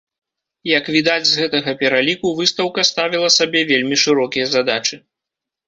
Як відаць з гэтага пераліку, выстаўка ставіла сабе вельмі шырокія задачы.